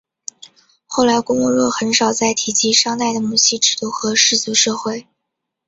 后来郭沫若很少再提及商代的母系制度和氏族社会。